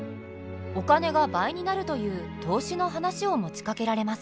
お金が倍になるという投資の話を持ちかけられます。